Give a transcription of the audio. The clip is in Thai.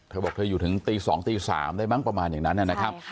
เธอบอกว่าเธออยู่ถึงตี๒๓ได้บ้างประมาณอย่างนั้นนะคะ